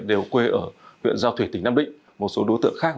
huyện giao thủy tỉnh nam định một số đối tượng khác